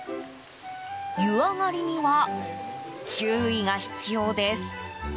湯上がりには注意が必要です。